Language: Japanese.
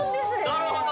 ◆なるほど！